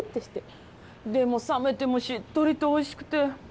でも冷めてもしっとりとおいしくて。